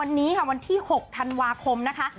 วันนี้ค่ะวันที่๖ธันวาคมนะคะ